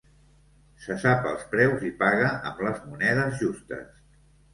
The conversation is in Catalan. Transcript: Se sap els preus i paga amb les monedes justes.